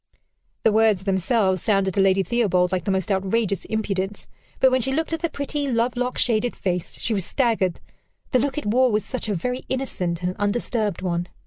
The words themselves sounded to Lady Theobald like the most outrageous impudence; but when she looked at the pretty, lovelock shaded face, she was staggered the look it wore was such a very innocent and undisturbed one.